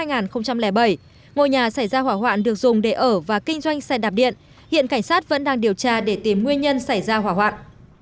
ngôi nhà xảy ra hỏa hoạn được dùng để ở và kinh doanh xe đạp điện hiện cảnh sát vẫn đang điều tra để tìm nguyên nhân xảy ra hỏa hoạn